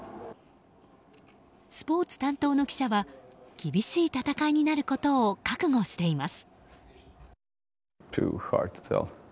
スポーツ担当の記者は厳しい戦いになることを覚悟しています。